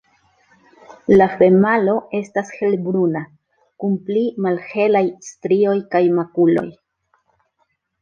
La femalo estas helbruna, kun pli malhelaj strioj kaj makuloj.